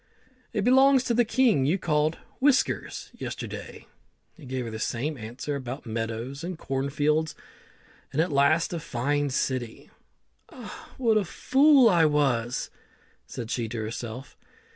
"It belongs to the king you called Whiskers yesterday." He gave her the same answer about meadows and corn fields, and at last a fine city. "Ah, what a fool I was!" said she to herself.